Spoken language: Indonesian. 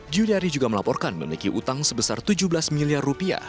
juliari juga melaporkan memiliki utang sebesar tujuh belas miliar rupiah